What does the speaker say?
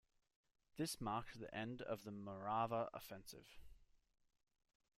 This marked the end of the Morava Offensive.